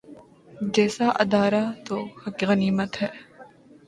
جیسا ادارہ تو غنیمت ہے۔